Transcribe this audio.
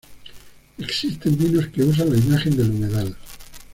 Existen vinos que usan la imagen del humedal.